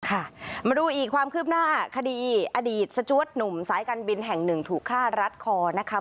มาดูอีกความคืบหน้าคดีอดีตสจวดหนุ่มสายการบินแห่งหนึ่งถูกฆ่ารัดคอนะคะ